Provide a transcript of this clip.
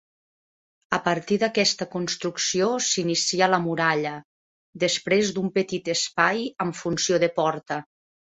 A partir d'aquesta construcció s'inicia la muralla, després d'un petit espai amb funció de porta.